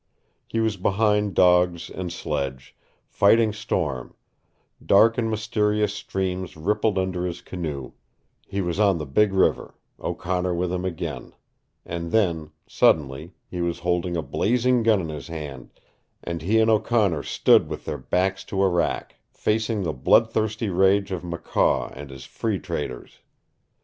He was behind dogs and sledge, fighting storm; dark and mysterious streams rippled under his canoe; he was on the Big River, O'Connor with him again and then, suddenly, he was holding a blazing gun in his hand, and he and O'Connor stood with their backs to a rack, facing the bloodthirsty rage of McCaw and his free traders.